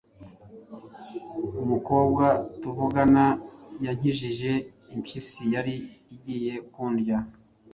Umukobwa tuvukana yankijije impyisi yari igiye kundya.